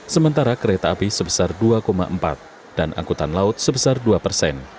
sementara kereta api sebesar dua empat dan angkutan laut sebesar dua persen